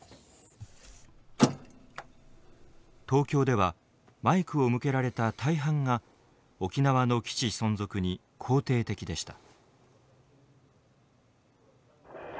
東京ではマイクを向けられた大半が沖縄の基地存続に肯定的でした。